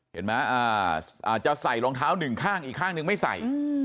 เห็นไหมอาจจะใส่รองเท้าหนึ่งข้างอีกข้างนึงไม่ใส่